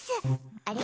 あれ？